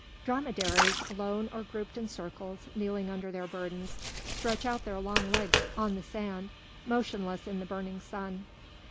Dromedaries, alone or grouped in circles, kneeling under their burdens, stretch out their long legs on the sand, motionless in the burning sun.